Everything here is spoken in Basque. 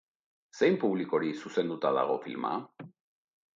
Zein publikori zuzenduta dago filma?